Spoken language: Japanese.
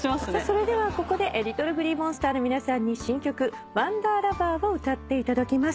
それではここでＬｉｔｔｌｅＧｌｅｅＭｏｎｓｔｅｒの皆さんに新曲『ＷＯＮＤＥＲＬＯＶＥＲ』を歌っていただきます。